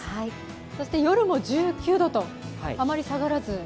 そして夜も１９度とあまり下がらず。